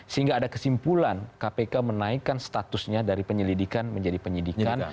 sehingga ada kesimpulan kpk menaikkan statusnya dari penyelidikan menjadi penyidikan